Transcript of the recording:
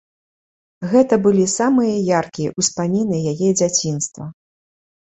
Гэта былі самыя яркія ўспаміны яе дзяцінства.